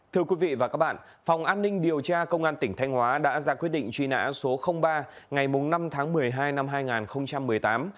thưa quý vị và các bạn phòng an ninh điều tra công an tỉnh thanh hóa đã ra quyết định truy nã số ba ngày năm tháng một mươi hai năm hai nghìn một mươi tám